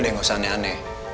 udah deh gak usah aneh aneh